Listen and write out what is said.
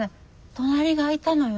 隣が空いたのよ。